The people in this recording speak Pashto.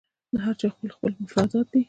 د هر چا خپل خپل مفادات دي